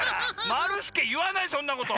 まるすけいわないそんなこと！